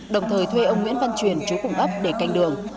đồng thời thuê ông nguyễn văn truyền chú cùng ấp để canh đường